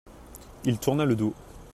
Il tourna le dos.